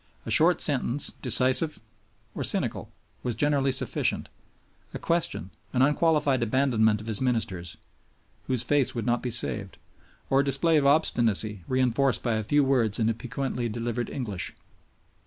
A short sentence, decisive or cynical, was generally sufficient, a question, an unqualified abandonment of his ministers, whose face would not be saved, or a display of obstinacy reinforced by a few words in a piquantly delivered English.